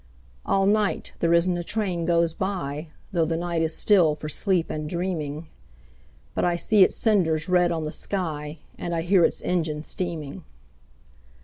All night there isn't a train goes by, Though the night is still for sleep and dreaming, But I see its cinders red on the sky, And hear its engine steaming.